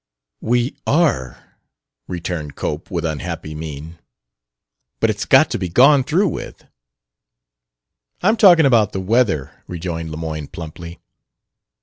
"We are!" returned Cope, with unhappy mien. "But it's got to be gone through with." "I'm talking about the weather," rejoined Lemoyne plumply.